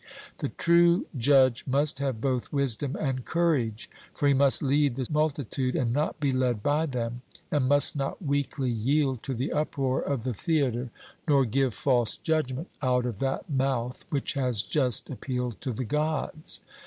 The true judge must have both wisdom and courage. For he must lead the multitude and not be led by them, and must not weakly yield to the uproar of the theatre, nor give false judgment out of that mouth which has just appealed to the Gods.